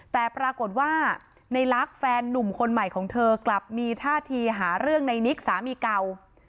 แต่ปรากฏว่าในลักษณ์แฟนนุ่มคนใหม่ของเธอกลับมีท่าทีหาเรื่องในนิกสามีเก่า